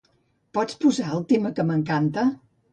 Pots posar el tema que m'encanta?